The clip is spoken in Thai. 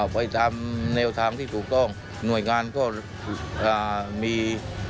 ไปทำแนวทางที่ถูกต้องหน่วยงานก็มี